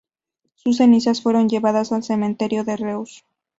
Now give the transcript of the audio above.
Sus cenizas fueron llevadas al cementerio de Reus.